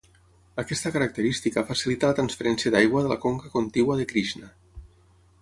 Aquesta característica facilita la transferència d'aigua de la conca contigua de Krishna.